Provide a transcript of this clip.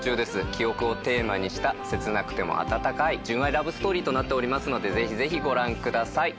記憶をテーマにした切なくても温かい純愛ラブストーリーとなっておりますのでぜひぜひご覧ください。